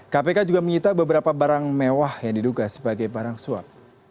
kpk juga menyita beberapa barang mewah yang diduga sebagai barang suap